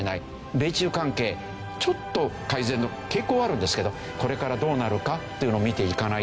米中関係ちょっと改善の傾向はあるんですけどこれからどうなるかというのを見ていかないとよくわからない。